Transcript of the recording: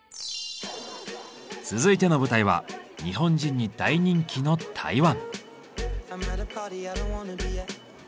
続いての舞台は日本人に大人気の台湾。